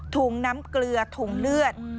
ถุงน้ำเกลือถุงเลือด